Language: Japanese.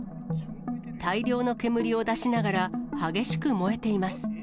大量の煙を出しながら、激しく燃えています。